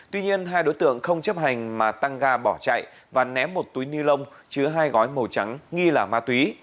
tuy nhiên hai đối tượng không chấp hành mà tăng ga bỏ chạy và ném một túi ni lông chứa hai gói màu trắng nghi là ma túy